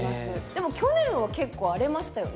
でも去年は結構荒れましたよね。